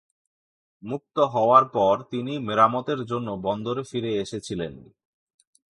মুক্ত হওয়ার পর, তিনি মেরামতের জন্য বন্দরে ফিরে এসেছিলেন।